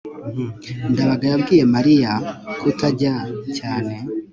ndabaga yabwiye mariya kutajya cyane